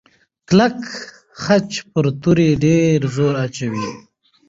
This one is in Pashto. کلک خج پر توري ډېر زور اچوي.